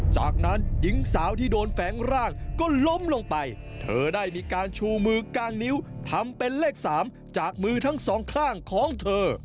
จากนั้นหญิงสาวที่โดนแฝงร่างก็ล้มลงไปเธอได้มีการชูมือกลางนิ้วทำเป็นเลข๓จากมือทั้งสองข้างของเธอ